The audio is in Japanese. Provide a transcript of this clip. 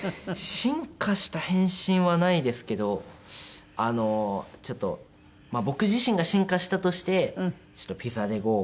進化した変身はないですけどあのちょっとまあ僕自身が進化したとしてちょっと「ピザでＧＯ！」を。